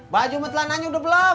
baju mu telah nanyuk udah belum